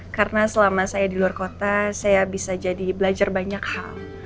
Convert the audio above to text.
karena selama saya di luar kota saya bisa jadi belajar banyak hal